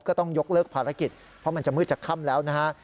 ก็ต้องยกเลิกภารกิจเพราะมันจะมืดจากค่ำแล้วนะฮะ